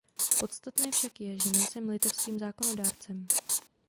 Podstatné však je, že nejsem litevským zákonodárcem.